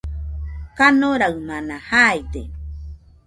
kanoraɨmana jaide